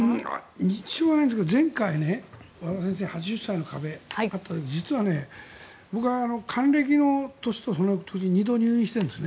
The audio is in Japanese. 認知症はないんですが前回、和田先生の「８０歳の壁」があった時に実はね、僕は還暦の年とその年２度入院しているんですね。